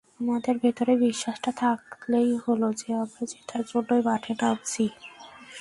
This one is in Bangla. আমাদের ভেতরে বিশ্বাসটা থাকলেই হলো যে, আমরা জেতার জন্যই মাঠে নামছি।